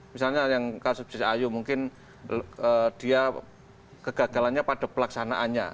misalnya yang kasus bsiu mungkin dia kegagalannya pada pelaksanaannya